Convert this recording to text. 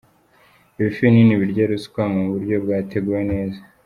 Ibifi binini birya ruswa mu buryo bwateguwe neza.